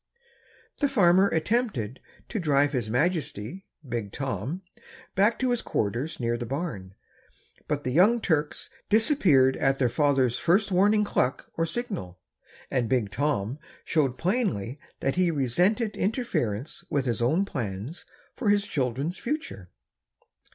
The farmer attempted to drive his majesty, Big Tom, back to his quarters near the barn, but the young turks disappeared at their father's first warning cluck or signal, and Big Tom showed plainly that he resented interference with his own plans for his children's future.